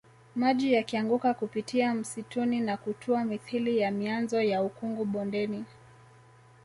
Maji yakianguka kupitia msituni na kutua mithili ya mianzo ya ukungu bondeni